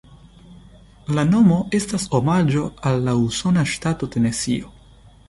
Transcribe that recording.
La nomo estas omaĝo al la usona ŝtato Tenesio.